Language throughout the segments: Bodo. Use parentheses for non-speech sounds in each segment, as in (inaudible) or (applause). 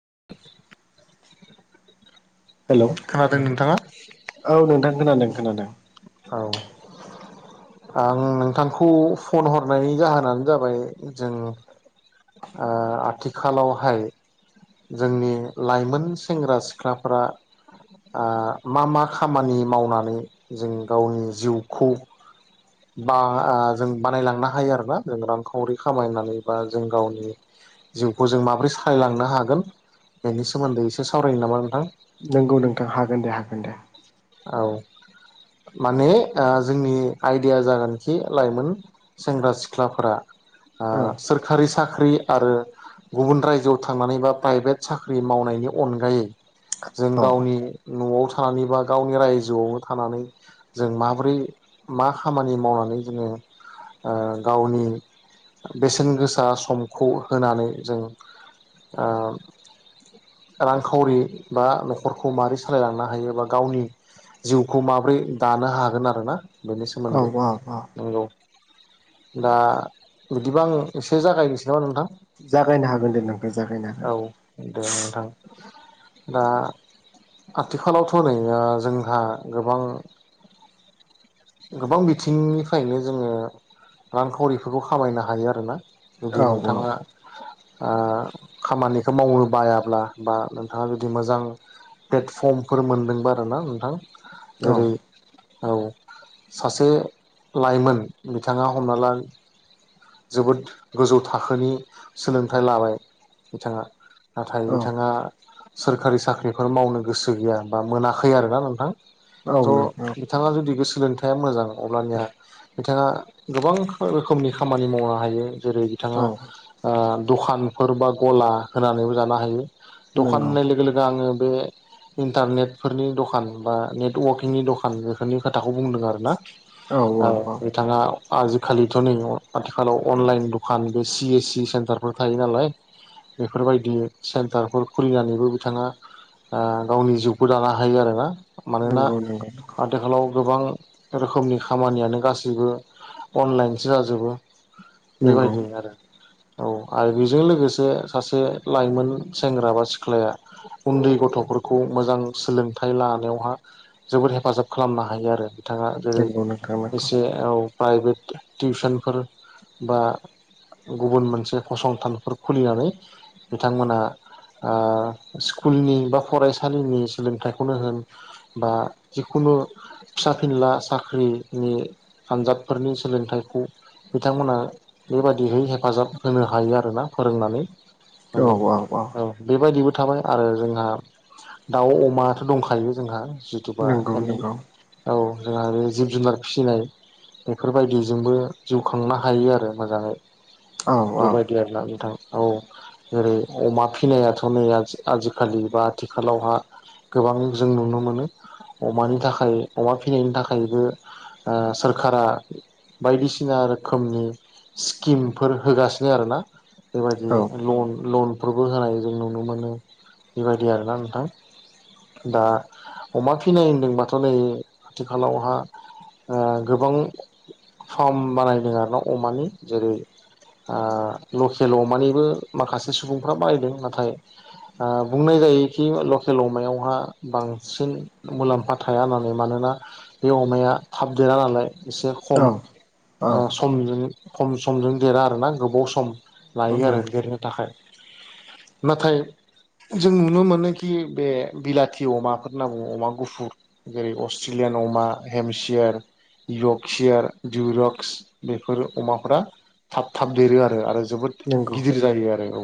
(inaudible) हेलौ खोनादों नोंथाङा औ नोंथां खोनादों खोनादों औ आं नोंथांखौ फन हरनायनि जाहोनानो जाबाय जों आ आथिखालावहाय जोंनि लाइमोन सेंग्रा सिख्लाफोरा आं मा मा खामानि मावनानै जों गावनि जिउखौ बा ओ जों बानायलांनो हायो आरोना जों रांखावरि खामायनानै बा जों गावनि जिउखौ जों माबोरै सालायलांनो हागोन बेनि सोमोनदै एसे सावरायनो नामा नोंथां? नंगौ नोंथां हागोन दे हागोन दे औ माने ओ जोंनि आयदाया जागोनखि लाइमोन सेंग्रा सिख्लाफोरा आ औ सोरखारि साख्रि आरो गुबुन रायजोआव थांनानै बा प्राइभेट साख्रि मावनायनि अनगायै जों औ गावनि न'आव थानानैबा गावनि रायजोआवनो थानानै जों माबोरै मा खामानि मावनानै जोङो गावनि बेसेन गोसा समखौ होनानै जों ओ रांखावरि बा न'खरखौ मारै सालायलांनो हायोबा गावनि जिउखौ माबोरै दानो हागोन आरोना बेनि औ सोमोनदै औ औ नंगौ दा बिदिबा आं एसे जागायनोसै नामा नोंथां? जागायनो हागोन दे नोंथां जागायनो औ हागोन दे नोंथां दा आथिखालावथ' नै आ जोंहा गोबां गोबां बिथिंनिफ्रायनो जोङो रांखावरिफोरखौ खामायनो हायो आरोना जुदि औ नोंथाङा आ खामानिखौ मावनो बायाब्ला बा नोंथाङा जुदि मोजां प्लेटफर्मफोर मोनदोंबा आरोना नोंथां औ जेरै औ सासे लाइमोन बिथाङा हमना ला जोबोद गोजौ थाखोनि सोलोंथाइ लाबाय बिथाङा नाथाय औ बिथाङा सोरखारि साख्रिफोर मावनो गोसो गैया बा मोनाखै आरोना नोंथां औ थ' नोंथां नोंथाङा जुदि गोसो सोलोंथाइया मोजां अब्लानिया बिथाङा गोबां रोखोमनि खामानि मावनो हायो जेरै बिथाङा औ दखानफोर बा गला होनानैबो जानो हायो द'खान नंगौ होननाय लोगो लोगो आङो बे इन्टारनेटफोरनि दखान बा नेटवारकिंनि दखान बेफोरनि खोथाखौ बुंदों आरो ना औ बिथाङा आजिखालिथ' नै आथिखालाव अनलाइन दखान बे सि एस सि सेन्टारफोर थायो नालाय बेफोरबायदि सेन्टारफोर खुलिनानैबो बिथाङा गावनि जिउखौ दानो हायो आरोना मानोना नंगौ नंगौ आथिखालाव गोबां रोखोमनि खामानियानो गासैबो अनलाइनसो जाजोबो नंगौ बेबायदिनो आरो औ आरो बेजों लोगोसे सासे लाइमोन सेंग्रा बा सिख्लाया उन्दै गथ' फोरखौ मोजां सोलोंथाइ लानायावहा जोबोद हेफाजाब खालामनो हायो आरो बिथाङा जेरै नंगौ नोंथां नंगौ एसे प्राइभेट टिउसनफोर बा गुबुन मोनसे फसंथानफोर खुलिनानै बिथांमोनहा स्कुलनि बा फरायसालिनि सोलोंथाइखौनो होन बा जिखुनु फिसा फिनला साख्रिनि आनजादफोरनि सोलोंथाइखौ बिथांमोना बेबायाददिहै हेफाजाब होनो हायो आरोना फोरोंनानै औ बेबायदिबो थाबाय आरो जोंहा दाउ अमाथ' दंखायो जोंहा जुथुबा नंगौ नंगौ औ जोंहा बे जिब जुनार फिसिनाय बेफोरबायदिजोंबो जिउ खांनो हायो आरो मोजाङै औ औ बेबायदि आरोना नोंथां औ जेरै अमा फिनायाथ' नै आजिखालि बा आथिखालावहा गोबां जों नुनो मोनो अमानि थाखाय अमा फिनायनि थाखायबो सोरखारा बायदिसिना सिना रोखोमनि स्किमफोर होगासिनो आरोना बेबायदि औ लन लन बो होनाय जों नुनो मोनो बेबायदि आरोना नोंथां दा अमा फिनाय होनदोंबाथ' नै आथिखालावहा गोबां फार्म बानायदों आर ना अमानि जेरै लकेल अमानिबो माखासे सुबुंफ्रा बारायदों नाथाय बुंनाय जायोखि लकेल अमायावहा बांसिन मुलाम्फा थाया होननानै मानोना बे अमाया थाबदेरा नालाय एसे खम औ औ सम खम समजों देरा आरोना गोबाव सम सम लायो आरो नंगौ देरनो थाखाय नाथाय जों नुनो मोनोखि बे बिलाथि अमाफोर होनना बुङो अमा गुफुर जेरै अस्ट्रेलियान अमा हेमसियार जगसियार उरक्स बेफोर अमाफोरा थाब थाब देरो आरो आरो जोबोद नंगौ गिदिर जायो आरो औ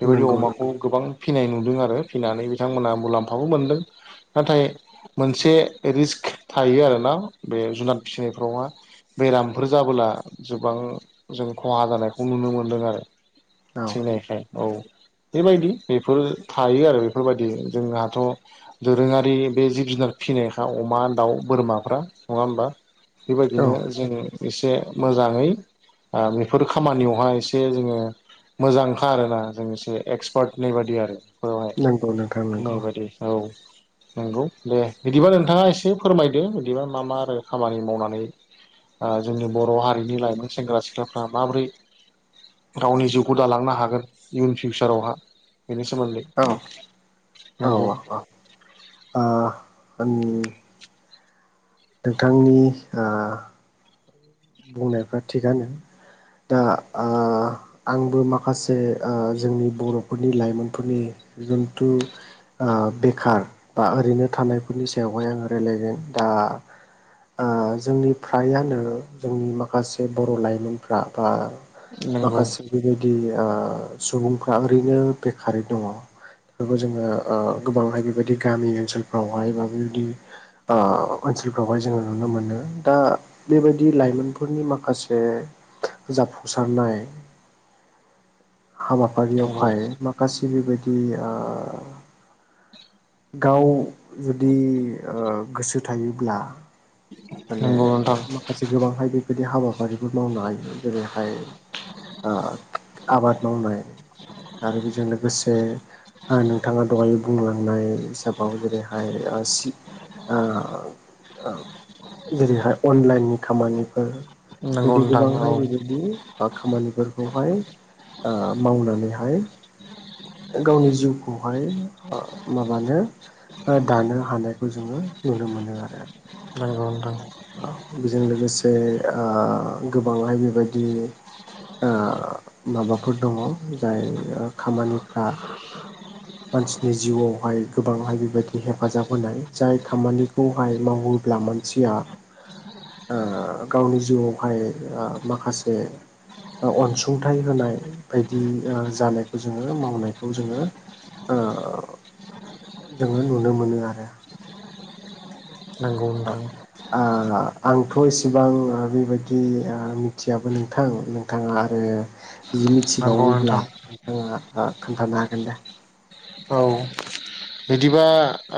बेबायदि नंगौ अमाखौ नंगौ गोबां फिनाय नुदों आरो फिनानै बिथांमोना मुलाम्फाबो मोनदों नाथाय मोनसे रिस्क थायो आरो ना बे जुनाद फिसिनायफ्रावहा बेरामफोर जाबोला गोबां जों खहा जानायखौ नुनो मोनदों आरो औ थैनायखाय औ बेबायदि बेफोर थायो आरो बेफोरबायदि जोंहाथ' दोरोङारि बे जिब जुनार फिनाय हा अमा दाउ बोरमाफ्रा नङा होमबा औ बेबायदिनो जों एसे मोजाङै बेफोर खामानियावहाय एसे जोङो मोजांखा आरोना जों एसे एक्सपार्टनि बादि आरो बेवहाय नंगौ नोंथां नंगौ नाय बादि औ नंगौ दे बिदिबा नोंथाङा एसे फोरमायदो बिदिबा मा मा आरो खामानि मावनानै जोंनि बर' हारिनि लाइमोन सेंग्रा सिख्लाफ्रा माबोरै गावनि जिउखौ दालांनो हागोन इयुन फिउचारावहा बिदि सोमोनदै औ औ नांगौ आंनि नोंथांनि बुंनायफ्रा थिगानो। दा आ आंबो माखासे ओ जोंनि बर'फोरनि लाइमोनफोरनि। जन्थु ओ बेखार बा ओरैनो थानायफोरनि सायावहाय आङो रायज्लायगोन दा। ओ ओ दा जोंनि फ्रायानो। जोंनि माखासे बर' लाइमोनफ्रा बा नंगौ माखासे बेबायदि ओ। सुबुंफ्रा ओरैनो बेखारारि दङ। बफोरखो जोङो गोबांहाय बेबायदि गामि ओनसोलफ्रावहाय बा बेबायदि ओ। ओनसोलफ्रावहाय जोङो नुनो मोनो दा बेबायदि। लाइमोनफोरनि माखासे जाफुंसारनाय। नंगौ हाबाफारियावहाय माखासे बेबायदि ओ। (inaudible) गाव जुदि गोसो ओ थायोब्ला। माने नंगौ नोंथां माखासे गोबांहाय बेबायदि हाबा। आबारिफोर मावनो हायो जेरैहाय ओ आबाद मावनाय। आरो बिजों लोगोसे ओ नोंथाङा दहाय बुंलांनाय हिसाबाव जेरैहाय। ओ सिद ओ ओ। जेरैहाय अनलाइननि खामानिफोर। नंगौ बिदि नोंथां औ गोबांहाय बेबायदि खामानिफोरखौहाय। ओ मावनानैहाय। गावनि जिउखौहाय ओ माबानो। ओ दानो हानायखौ जोङो नुनो मोनो आरो। नांगौ नोथां। ओ बिजों लोगोसे गोबांहाय बेबायदि। ओ माबाफोर दङ जाय खामानिफ्रा। (inaudible) मानसिनि जिउआवहाय गोबांहाय बेबायदि हेफाजाब होनाय जाय खामानिखौहाय मावोब्ला मा--। मानसिया गावनि ओ जिउआवहाय माखासे। ओ अनसुंथाइ होनाय बायदि ओ जानायखौ जोङो मावनायखौ जोङो। ओ जोङो नुनो मोनो आरो। नोंगौ नोंथां। ब्ला आंथ' इसेबां बेबायदि मिथियाबो नोंथां नोंथाङा आरो। बिदि नंगौ मिथिबावोब्ला नोंथां नोंथाङा ओ खोन्थानो हागोन दा। औ बिदिबा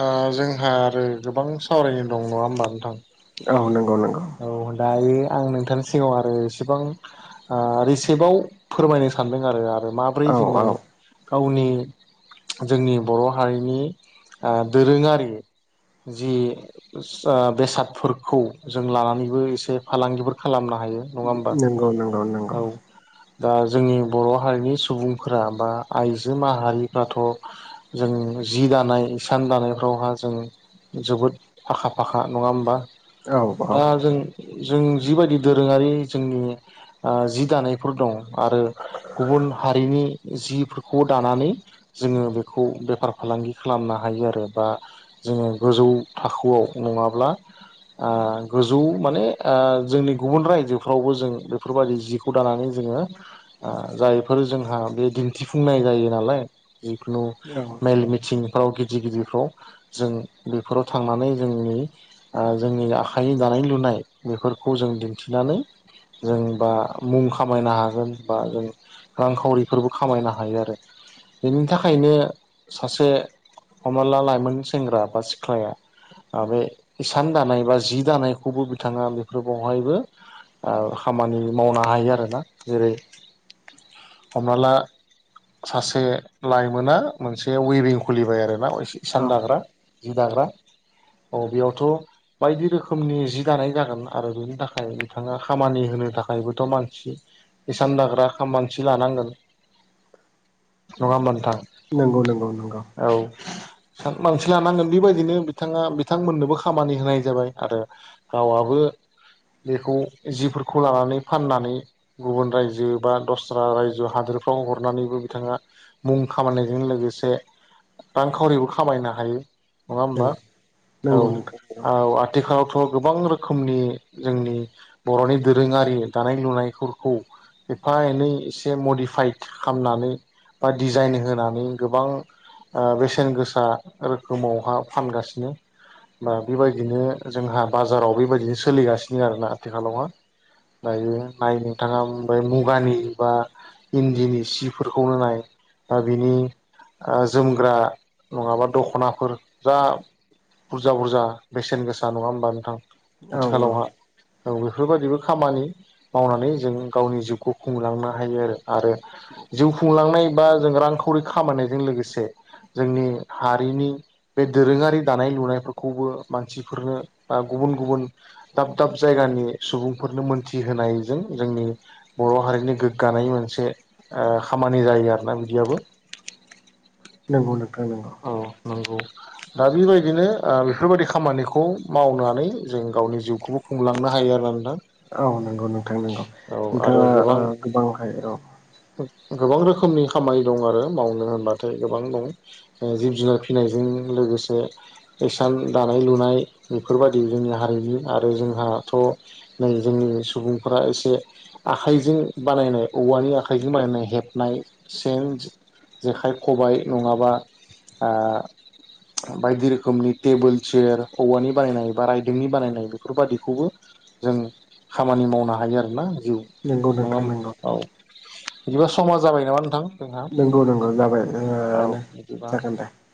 ओ जोंहा आरो गोबां सावरायनो दं नङा होमबा नोंथां। औ नंगौ नंगौ। औ दायो आं नोंथांनि सिगाङाव आरो एसेबां ओ रिसिपआव फोरमायनो सानदों आरो। आरो माब्रै औ जोङो। औ गावनि जोंनि बर' हारिनि ओ दोरोङारि। जि सओ बेसादफोरखौ जों लानानै।। बो इसे फालांगिफोर खालामनो हायो नङा होमबा नंगौ नंगौ नंगौ औ। दा जोंनि बर' हारिनि सुबुंफोरा बा आइजो माहारिफ्राथ' जों। जि दानाय इसान दानायफ्रावहा जों जोबोद आखा फाखा नङा ओमबा। औ औ। जों जिबायदि दोरोङारि जोंनि ओ जि दानायफोर दं। आरो गुबुन हारिनि जिफोरखौ दानानै जोङो बेखौ बेफार फालांगि खालामनो हायो आरो बा। जोङो गोजौ थाखोआव नङाब्ला ओ गोजौ माने ओ जोंनि गुबुन रायजोफ्रावबो जों बेफोरबायदि जिखौ दानानै जोङो ओ जायफोर जोंहा बे दिन्थिफुंनाय जायो नालाय। जिखुनु औ मेल मिथिं औ गिदि गिदिरफ्राव जों बेफोराव थांनानै जोंनि ओ जोंनि आखाइनि दानाय लुनाय। बेफोरखौ जों दिनथिनानै जों बा मुं खामायनो हागोन बा जों रांखावरिफोरबो खामायनो हायो आरो बेनि थाखायनो सासे हमना ला लाइमोन सेंग्रा बा सिख्लाया बे हिसान दानाय बा जि दानायखौबो बिथाङा बेफोर बावहायबो खामानि मावनो हायो आरोना जेरै हमना ला सासे लाइमोना मोनसे वइभिं खुलिबाय आरोना हिसान औ दाग्रा जि दाग्रा अ बेयावथ' बायदि रोखोमनि जि दानाय जागोन आरो बेनि थाखाय बिथाङा खामानि होनो थाखायबोथ' मानसि हिसान दाग्रा मानसि लानांगोन नङा होमबा नोंथां नंगौ नंगौ नंगौ औ मानसि लानांगोन बेबायदिनो बिथाङा बिथांमोननोबो खामानि होनाय जाबाय आरो गावाबो बेखौ जिफोरखौ लानानै फाननानै गुबुन रायजो बा दस्रा रायजो हादोर बेफ्राव हरनानैबो बिथाङा मुं खामायनायजों लोगोसे रांखावरिबो खामायनो हायो नङा होमबा नंगौ औ नंगौ नोंथां नंगौ औ आथिखालाव गोबां रोखोमनि जोंनि बर'नि दोरोङारि दानाय लुनायफोरखौ एफा एनै एसे मडिफाइद खालानानै बा डिजाइन होनानै गोबां बेसेन गोसा रोखोमावहा फानगासिनो बा बेबायदिनो जोंहा बाजाराव बेबायदिनो सोलिगासिनो आरोना आथिखालावहा दायो नाय नोंथाङा ओमफ्राय मुगानि बा इन्दिनि सिफोरखौनो नाय दा बिनि जोमग्रा नङाबा दख'नाफोर जा बुरजा बुरजा बेसेन गोसा नङा होमबा नोंथां औ आथिखालावहा औ बेफोरबायदिबो खामानि मावनानै जों गावनि जिउखौ खुंलांनो हायो आरो आरो जिउ खुंलांनाय बा जों रांखावरि खामायनायजों लोगोसे जोंनि हारिनि बे दोरोङारि दानाय लुनायफोरखौबो मानसिफोरनो गुबुन गुबुन दाब दाब जायगानि सुबुंफोरनो मोनथिहोनायजों जोंनि बर बर' हारिनि गोग्गानायनि मोनसे खामानि जायो आरोना बिदियाबो नंगौ नोंथां नंगौ औ नंगौ दा बेबायदिनो बेफोरबायदि खामानिखौ मावनानै जों गावनि जिउखौबो खुंलांनो हायो हायो आरो ना नोंथां औ नंगौ नोंथां नंगौ औ आरो नोंथाङा गोबां गोबांहाय र' गोबां रोखोमनि खामानि दं आरो मावनो होनबाथाय गोबां दं जिब जुनार फिसिनायजों लोगोसे हिसान दानाय लुनाय बेफोरबायदि जोंनि हारि आरो जोंहाथ' न जोंनि सुबुंफोरा एसे आखाइजों बानाय औवानि आखाइजों बानायनाय हेबनाय सेन जेखाइ खबाइ नङाबा आ बायदि रोखोमनि टेबोल चेयार औवानि बानायनाय बा रायदोंनि बानायनाय बेफोरबादिखौबो जों खामानि मावनो हायो आरोना जिउ नंगौ नङा नोंथां नंगौ औ बिदिबा समा जाबाय नामा नोंथां जोंहा नंगौ नंगौ जाबाय जोङो बा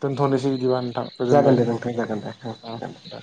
दोनथनोसै बिदिबा नोंथां थां जागोन गोजोनबाय दे नोंथां जागोन दे अ जागोन दे